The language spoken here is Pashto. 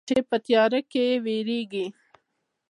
چې په تیاره کې بیریږې